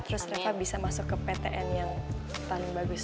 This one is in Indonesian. terus reva bisa masuk ke ptn yang paling bagus